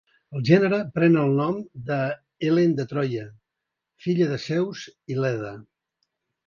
El gènere pren el nom de Helen de Troia, filla de Zeus i Leda.